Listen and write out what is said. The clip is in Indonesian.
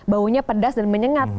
baunya pedas dan menyengat